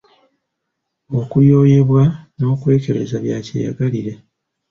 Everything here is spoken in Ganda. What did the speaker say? Okulyoyebwa n’okwekebeza bya kyeyagalire.